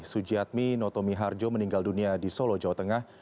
sujiatmi noto miharjo meninggal dunia di solo jawa tengah